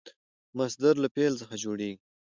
مصدر له فعل څخه جوړیږي.